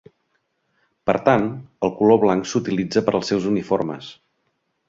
Per tant, el color blanc s'utilitza per als seus uniformes.